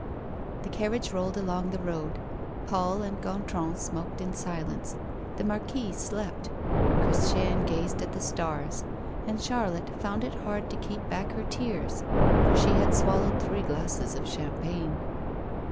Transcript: The carriage rolled along the road. Paul and Gontran smoked in silence; the Marquis slept; Christiane gazed at the stars; and Charlotte found it hard to keep back her tears for she had swallowed three glasses of champagne.